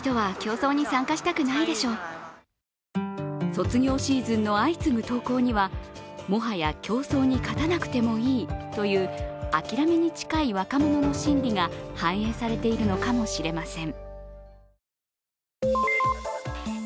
卒業シーズンの相次ぐ投稿にはもはや競争に勝たなくてもいいという諦めに近い若者の心理が反映されているのかもしれません。